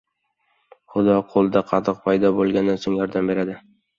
• Xudo qo‘lda qadoq paydo bo‘lgandan so‘ng yordam beradi.